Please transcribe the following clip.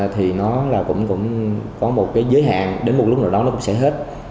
thì nó cũng có một cái giới hạn đến một lúc nào đó nó cũng sẽ hết